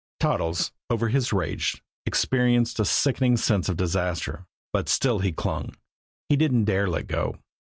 Toddles, over his rage, experienced a sickening sense of disaster, but still he clung; he didn't dare let go.